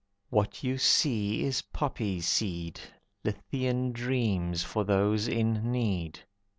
"What you see is poppy seed. Lethean dreams for those in need."